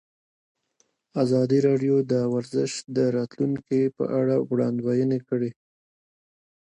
ازادي راډیو د ورزش د راتلونکې په اړه وړاندوینې کړې.